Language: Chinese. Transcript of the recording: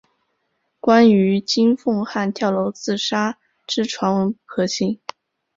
关于金凤汉跳楼自杀之传闻不可信。